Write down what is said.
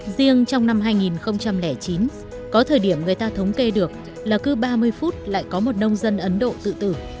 riêng trong năm hai nghìn chín có thời điểm người ta thống kê được là cứ ba mươi phút lại có một nông dân ấn độ tự tử